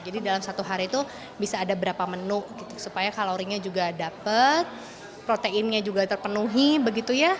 jadi dalam satu hari itu bisa ada berapa menuk gitu supaya kalorinya juga dapat proteinnya juga terpenuhi begitu ya